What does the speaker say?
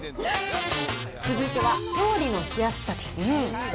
続いては調理のしやすさです。